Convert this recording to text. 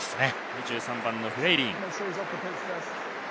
２３番のフレイリン。